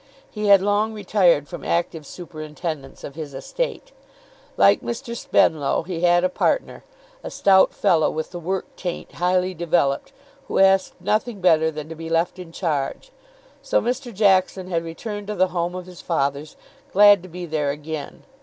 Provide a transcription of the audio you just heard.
He had long retired from active superintendence of his estate. Like Mr. Spenlow, he had a partner, a stout fellow with the work taint highly developed, who asked nothing better than to be left in charge. So Mr. Jackson had returned to the home of his fathers, glad to be there again.